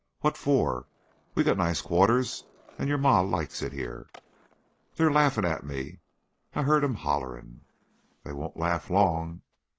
"What fer? We got nice quarters and your ma likes it here " "They're laughing at me. I heard 'em hollering." "They won't laugh long.